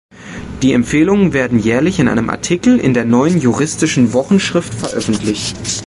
Die Empfehlungen werden jährlich in einem Artikel in der Neuen Juristischen Wochenschrift veröffentlicht.